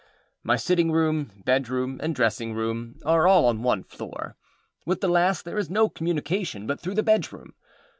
My sitting room, bedroom, and dressing room, are all on one floor. With the last there is no communication but through the bedroom.